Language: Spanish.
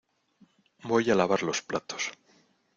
Voy a lavar los platos.